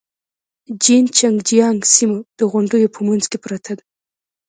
جين چنګ جيانګ سيمه د غونډيو په منځ کې پرته ده.